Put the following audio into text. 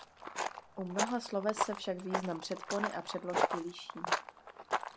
U mnoha sloves se však význam předpony a předložky liší.